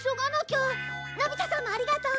のび太さんもありがとう。